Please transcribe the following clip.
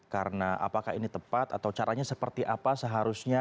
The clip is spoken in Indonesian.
karena apakah ini tepat atau caranya seperti apa seharusnya